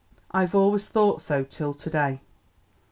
I've always thought so till to day.